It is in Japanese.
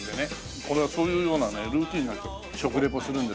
これはそういうようなねルーチンになっちゃって食リポするんです。